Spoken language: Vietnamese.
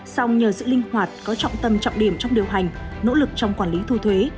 song nhờ sự linh hoạt có trọng tâm trọng điểm trong điều hành nỗ lực trong quản lý thu thuế